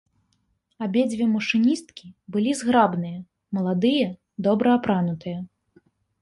Абедзве машыністкі былі зграбныя, маладыя, добра апранутыя.